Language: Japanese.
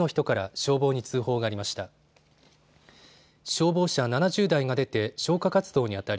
消防車７０台が出て消火活動にあたり